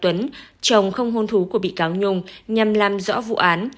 tuy nhiên chồng không hôn thú của bị cáo nhung nhằm làm rõ vụ án